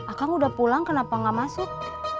aku udah pulang kenapa gak masuk